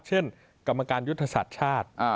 เช่นกรรมการยุทธศาสตร์ชาติ